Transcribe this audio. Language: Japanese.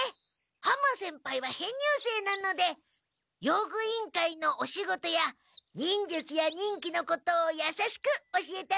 浜先輩は編入生なので用具委員会のお仕事や忍術や忍器のことをやさしく教えてあげてますもんね。